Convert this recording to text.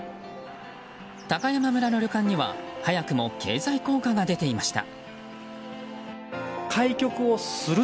高山村の旅館には早くも経済効果が出ていました。